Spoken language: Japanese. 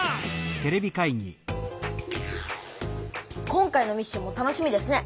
今回のミッションも楽しみですね。